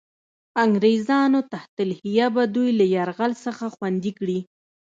انګرېزانو تحت الحیه به دوی له یرغل څخه خوندي کړي.